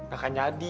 gak akan jadi